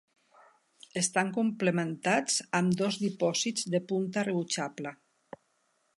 Estan complementats amb dos dipòsits de punta rebutjable.